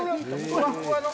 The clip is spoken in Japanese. ふわっふわの。